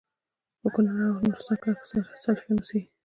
په کونړ او نورستان کي اکثريت سلفيان اوسيږي